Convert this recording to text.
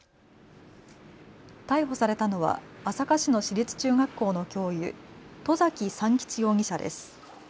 逮捕されたのは朝霞市の市立中学校の教諭、外崎三吉容疑者です。